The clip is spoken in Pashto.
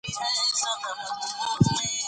د ولس غوښتنې بدلون ته اشاره کوي